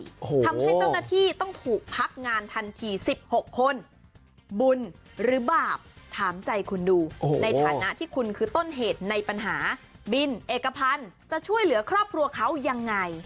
ทำให้เจ้าหน้าที่ต้องถูกพักงานทันที๑๖คนบุญหรือบาปถามใจคุณดูในฐานะที่คุณคือต้นเหตุในปัญหาบินเอกพันธ์จะช่วยเหลือครอบครัวเขายังไง